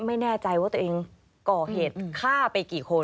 ไม่แน่ใจว่าตัวเองก่อเหตุฆ่าไปกี่คน